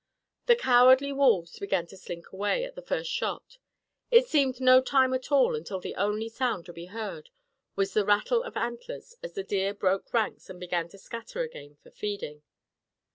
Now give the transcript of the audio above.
The cowardly wolves began to slink away at the first shot. It seemed no time at all until the only sound to be heard was the rattle of antlers as the deer broke ranks and began to scatter again for feeding.